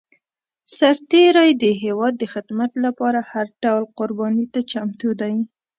سرتېری د هېواد د خدمت لپاره هر ډول قرباني ته چمتو دی.